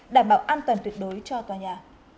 đảm bảo an toàn tuyệt đối cho tòa nhà